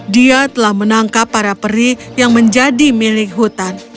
dia telah menangkap para peri yang menjadi milik hutan